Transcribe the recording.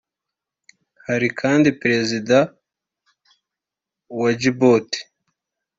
Hari kandi Perezida wa Djibouti